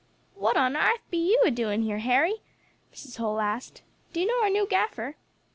"What on arth be you a doing here, Harry?" Mrs. Holl asked. "Do you know our new gaffer?"